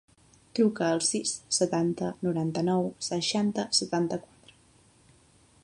Truca al sis, setanta, noranta-nou, seixanta, setanta-quatre.